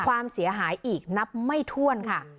ความเสียหายอีกนับไม่ถ้วนค่ะ